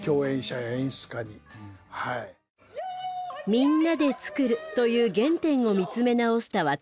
みんなでつくるという原点を見つめ直した渡辺さん。